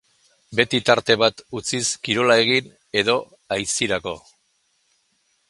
Beti tarte bat utziz kirola egin edo aisirako.